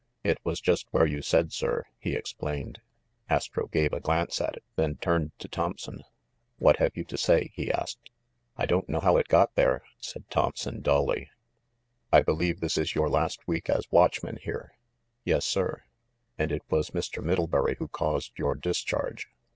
"It was just where you said, sir," he explained. Astro gave a glance at it, then turned to Thompson. "What have you to say?" he asked. "I don't know how it got there," said Thompson dully. 402 THE MASTER OF MYSTERIES "I believe this is your last week as watchman here ?" "Yes, sir." "And it was Mr. Middlebury who caused your dis charge?"